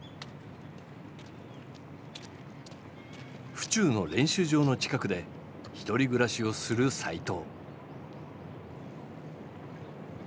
府中の練習場の近くで１人暮らしをする齋藤。